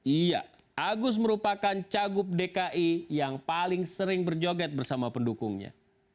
iya agus merupakan cagup dki yang paling sering berjoget bersama pendukungnya